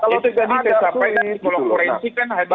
kalau tidak disampaikan di kolok forensik kan hadir